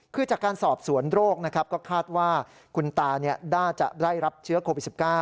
คือจากการสอบสวนโรคนะครับก็คาดว่าคุณตาน่าจะได้รับเชื้อโควิด๑๙